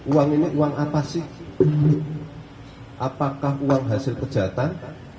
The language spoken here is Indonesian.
uang ini uang apa sih apakah uang hasil kejahatan